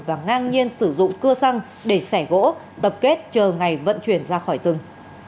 và ngang nhiên sử dụng cưa xăng để xẻ gỗ tập kết chờ ngày vận chuyển ra khỏi rừng